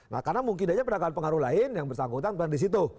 nah karena mungkin saja perdagangan pengaruh lain yang bersangkutan berada di situ